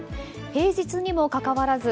平日にもかかわらず